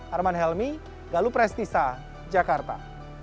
arman helmi galu prestisa jakarta